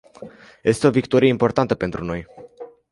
Este o victorie importantă pentru noi.